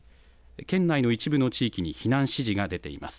県内の一部の地域に避難指示が出ています。